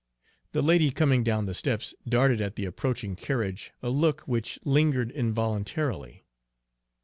The lady coming down the steps darted at the approaching carriage a look which lingered involuntarily.